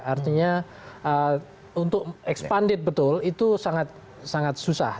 artinya untuk expanded betul itu sangat susah